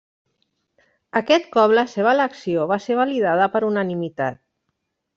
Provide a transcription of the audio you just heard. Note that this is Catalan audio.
Aquest cop la seva elecció va ser validada per unanimitat.